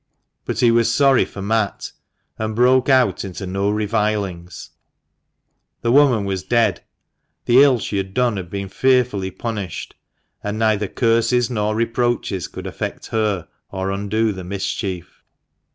But he was sorry for Matt, and broke out into no revilings. The woman was dead. The ill she had done had been fearfully punished, and neither curses nor reproaches could affect her or undo the mischief.